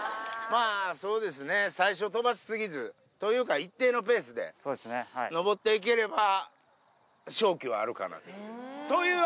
まあ、そうですね、最初、飛ばし過ぎず、というか一定のペースでのぼっていければ、勝機はあるかなという。